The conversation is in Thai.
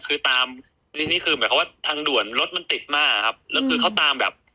คือตามนี่คือหมายความว่าทางด่วนรถมันติดมากครับแล้วคือเขาตามแบบ